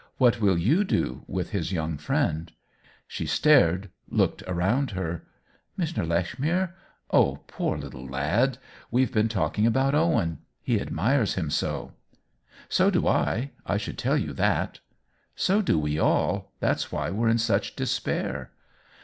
" What will you do with his young friend ?" She stared, looked round her. " Mr. Lechmere ? Oh, poor little lad ! WeVe been talking about Owen. He ad mires him so." " So do I. I should tell you that." " So do we all. That's why we're in such despair."